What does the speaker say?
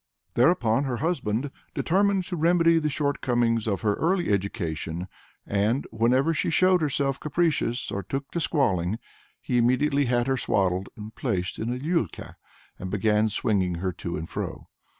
Thereupon her husband determined to remedy the short comings of her early education, and "whenever she showed herself capricious, or took to squalling, he immediately had her swaddled and placed in a liulka, and began swinging her to and fro."